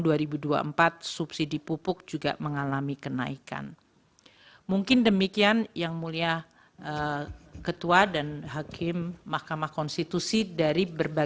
dan yang tahun dua ribu dua puluh tiga resursi yang merupakan bagian dari perlindungan sosial mengalami kenaikan terutama untuk subsidi energi